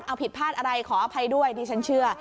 เอาผิดพลาดอะไรขออภัยด้วยดิฉันเชื่อ